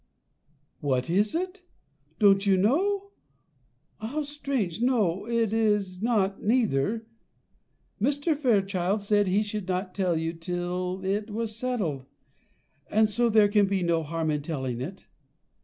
"What is it? don't you know? How strange no, it is not, neither; Mr. Fairchild said he should not tell you till it was settled; and so there can be no harm in telling it.